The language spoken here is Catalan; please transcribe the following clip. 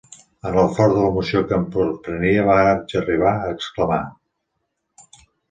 En el fort de l'emoció que em corprenia vaig arribar a exclamar: